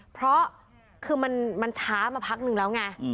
เพราะคือมันช้ามาพักนึงแล้วไง